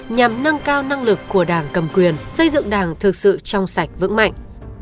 nhằm nâng cao năng lực của đảng cầm quyền xây dựng đảng thực sự trong sạch vững mạnh